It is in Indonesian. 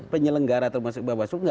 penyelenggara termasuk bapak soekar